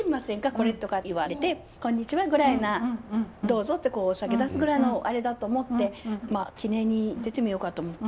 これ」とか言われて「こんにちは」ぐらいな「どうぞ」ってお酒出すぐらいのあれだと思ってまあ記念に出てみようかと思って。